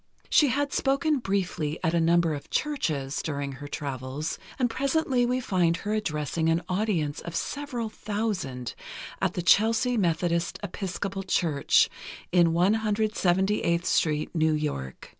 She had spoken briefly at a number of churches, during her travels, and presently we find her addressing an audience of several thousand, at the Chelsea Methodist Episcopal Church, in 178th Street, New York.